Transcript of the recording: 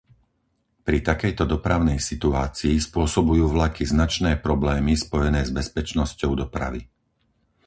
Pri takejto dopravnej situácii spôsobujú vlaky značné problémy spojené s bezpečnosťou dopravy.